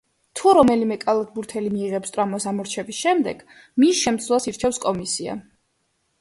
თუ რომელიმე კალათბურთელი მიიღებს ტრავმას ამორჩევის შემდეგ, მის შემცვლელს ირჩევს კომისია.